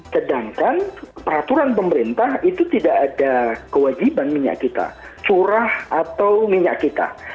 sedangkan peraturan pemerintah itu tidak ada kewajiban minyak kita curah atau minyak kita